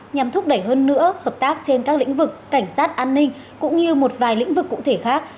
nhằm thúc đẩy hơn nữa hợp tác trên các lĩnh vực cảnh sát an ninh cũng như một vài lĩnh vực cụ thể khác